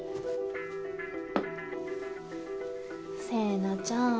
星名ちゃん